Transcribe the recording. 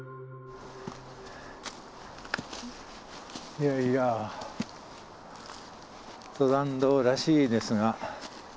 いやいや登山道らしいですが。